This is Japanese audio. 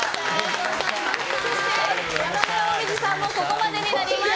そして、山村紅葉さんもここまでになります。